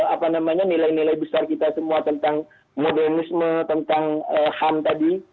apa namanya nilai nilai besar kita semua tentang modernisme tentang ham tadi